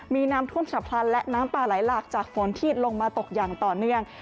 มีน้ำท่วมฉับพลันและน้ำปลาไหลหลากจากฝนที่ลงมาตกอย่างต่อเนื่อง